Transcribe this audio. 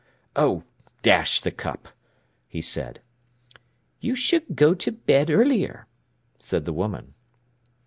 "Oh, dash the cup!" he said. "You should go to bed earlier," said the woman.